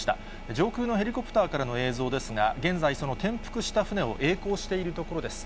上空のヘリコプターからの映像ですが、現在、その転覆した船をえい航しているところです。